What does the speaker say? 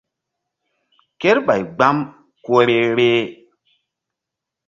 Kerɓay gbam ku vbe-vbeh.